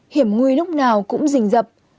hiểm nguy lúc nào cũng rình rập